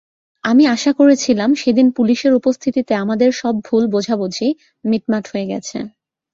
আমি আশা করেছিলাম সেদিন পুলিশের উপস্থিতিতে আমাদের সব ভুল বুঝাবুঝি মিটমাট হয়ে গেছে।